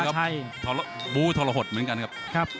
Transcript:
เป็นนักมวยครับบูธรหดเหมือนกันครับ